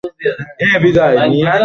মাত্রই এসেছেন নাকি?